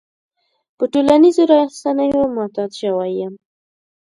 په ټولنيزو رسنيو معتاد شوی يم.